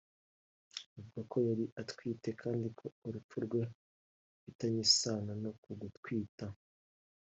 avuga ko yari atwite kandi ko urupfu rwe rufitanye isano n’uku gutwita